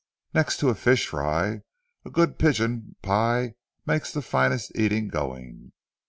Next to a fish fry, a good pigeon pie makes the finest eating going.